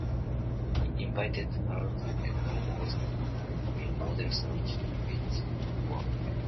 He invited her to enter Mode's upcoming model search, which she won.